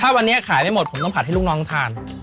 ถ้าวันนี้ขายไม่หมดผมต้องผัดให้ลูกน้องทาน